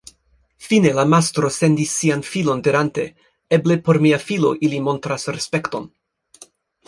Fine la mastro sendis sian filon dirante: ‘Eble por mia filo ili montros respekton’.